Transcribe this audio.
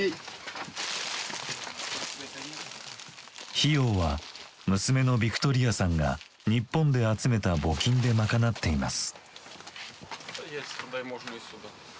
費用は娘のヴィクトリヤさんが日本で集めた募金で賄っています。